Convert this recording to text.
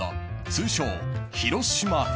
通称広島編］